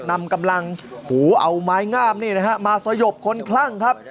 นำกำลังเอาไม้งามนี่นะฮะมาสยบคนคลั่งครับ